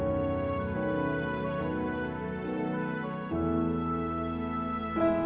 gak ada yang diperlukan